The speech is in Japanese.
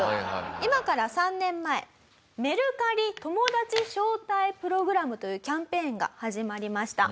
今から３年前メルカリ友達招待プログラムというキャンペーンが始まりました。